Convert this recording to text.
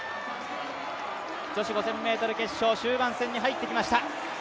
女子５０００ｍ決勝終盤戦に入ってきました。